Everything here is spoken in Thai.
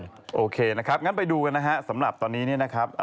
ไปดูกันนะครับสำหรับตอนนี้